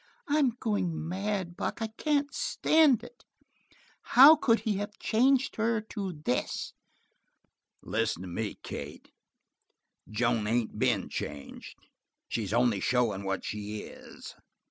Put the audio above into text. "I'm going mad, Buck. I can't stand it. How could he have changed her to this?" "Listen to me, Kate. Joan ain't been changed. She's only showin' what she is."